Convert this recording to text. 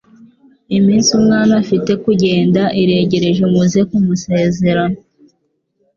iminsi umwana afite kugenda iregereje muze kumusezera